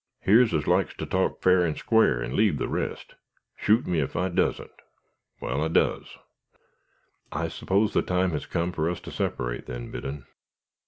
Yer's as likes to talk fair and squar, and leave the rest. Shoot me ef I doesn't! Wal I does, ogh!" "I suppose the time has come for us to separate, then, Biddon?"